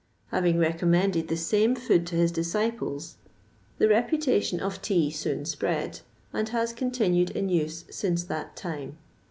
Having recommended the same food to his disciples, the reputation of tea soon spread, and has continued in use since that time."